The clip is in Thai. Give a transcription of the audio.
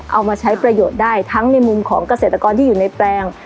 เอามาใช้ประโยชน์ได้ทั้งในมุมของเกษตรกรที่อยู่ในแปลง